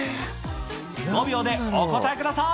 ５秒でお答えください。